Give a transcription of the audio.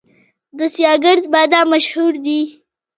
د سیاه ګرد بادام مشهور دي